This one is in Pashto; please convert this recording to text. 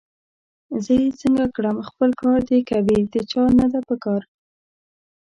زه یې څنګه کړم! خپل کار دي کوي، د چا نه ده پکار